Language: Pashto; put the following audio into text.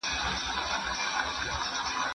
¬ چي سر نه وي گودر نه وي.